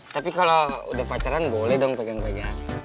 tapi kalau udah pacaran boleh dong pegang pegang